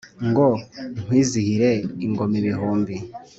ngo nkwizihire ingoma ibihumbi